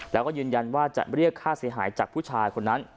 แล้วก็ยืนยันว่าจะเรียกค่าเสียหายจากผู้ชายคนนั้น